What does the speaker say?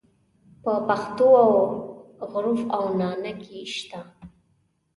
په پښتو او عُرف او عنعنه کې شته.